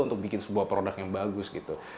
untuk bikin sebuah produk yang bagus gitu